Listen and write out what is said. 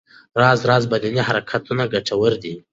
راز راز بدني حرکتونه ګټور دي.